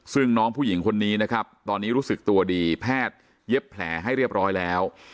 ซึ่งน้องผู้หญิงคนนี้นะครับตอนนี้รู้สึกตัวดีแพทย์เย็บแผลให้เรียบร้อยแล้ว